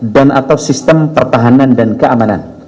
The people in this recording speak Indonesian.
dan atau sistem pertahanan dan keamanan